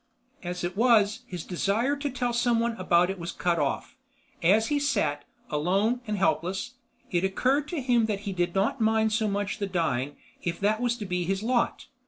As it was, his desire to tell somebody about it was cut off. As he sat, alone and helpless, it occurred to him that he did not mind so much the dying, if that was to be his lot.